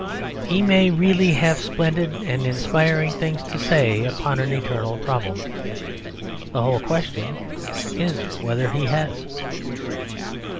He may really have splendid and inspiring things to say upon an eternal problem. The whole question is whether he has.